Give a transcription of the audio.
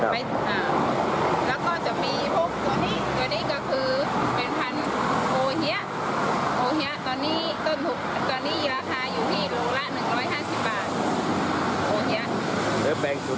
แล้วก็จะมีพวกตัวนี้ตัวนี้ก็คือเป็นพันธุ์โอเฮียโอเฮียตอนนี้ต้นถูกตอนนี้ราคาอยู่ที่โลละ๑๕๐บาทโอเฮียง